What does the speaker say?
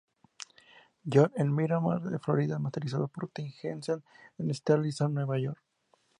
John en Miramar, Florida y masterizado por Ted Jensen en Sterling Sound, Nueva York.